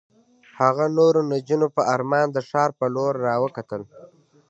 هغه نورو نجونو په ارمان د ښار په لور را وکتل.